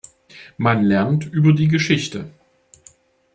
Man lernt über die Geschichte.